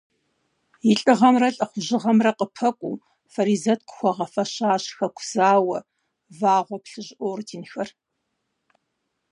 И лӏыгъэмрэ лӏыхъужьыгъэмрэ къыпэкӏуэу, Фаризэт къыхуагъэфэщащ Хэку зауэ, Вагъуэ Плъыжь орденхэр.